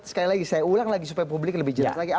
sekali lagi saya ulang lagi supaya publik lebih jelas lagi